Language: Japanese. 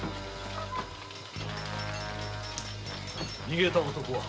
逃げた男は？